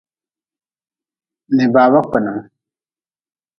Ni baaba kpenin.